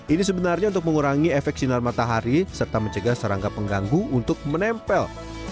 ini sebenarnya untuk mengurangi efek sinar matahari serta mencegah serangga pengganggu untuk menempel